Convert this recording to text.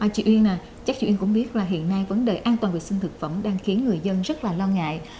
chị uyên chắc chị uyên cũng biết là hiện nay vấn đề an toàn vệ sinh thực phẩm đang khiến người dân rất lo ngại